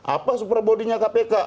apa supra bodinya kpk